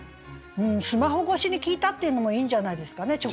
「スマホ越しに聴いた」っていうのもいいんじゃないですかね。